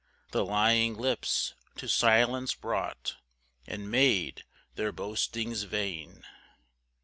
The lying lips to silence brought, And made their boastings vain!